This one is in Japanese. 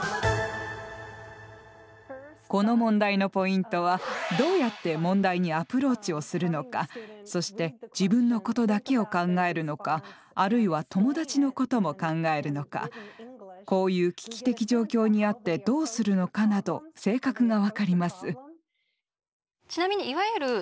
この問題のポイントはどうやって問題にアプローチをするのかそして自分のことだけを考えるのかあるいは友達のことも考えるのかこういう危機的状況にあってどうするのかなど性格が分かります。